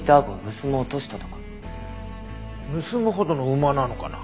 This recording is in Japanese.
盗むほどの馬なのかな？